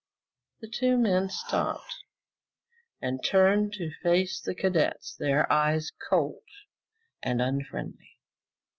The two men stopped and turned to face the cadet, their eyes cold and unfriendly.